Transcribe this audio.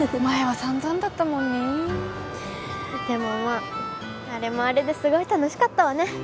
前はさんざんだったもんねでもまああれもあれですごい楽しかったわね